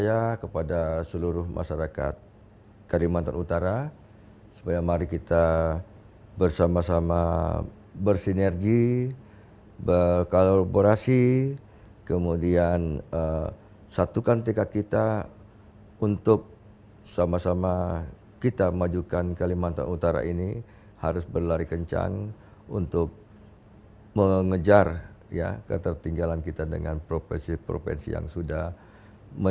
saya berharap kepada seluruh masyarakat kelimatan utara supaya mari kita bersama sama bersinergi berkolaborasi kemudian satukan tingkat kita untuk sama sama kita majukan kelimatan utara ini harus berlari kencang untuk mengejar ketertinggalan kita dengan provinsi provinsi yang sudah mendahulu